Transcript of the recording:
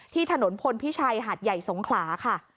ถนนพลพิชัยหาดใหญ่สงขลาค่ะ